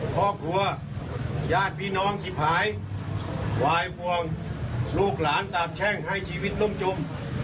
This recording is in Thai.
ครอบครัวญาติพี่น้องที่หายวายบวงลูกหลานสาบแช่งให้ชีวิตล่มจม